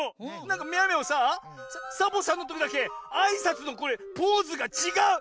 なんかミャオミャオさあサボさんのときだけあいさつのこれポーズがちがう。